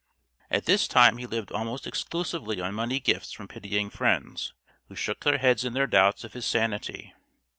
At this time he lived almost exclusively on money gifts from pitying friends, who shook their heads in their doubts of his sanity.